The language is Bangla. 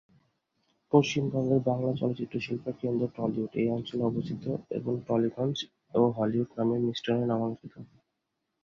পশ্চিমবঙ্গের বাংলা চলচ্চিত্র শিল্পের কেন্দ্র টলিউড এই অঞ্চলে অবস্থিত এবং টালিগঞ্জ ও হলিউড নামের মিশ্রণে নামাঙ্কিত।